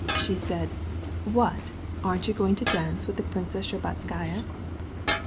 "She said: 'Why, aren't you going to dance it with Princess Shtcherbatskaya?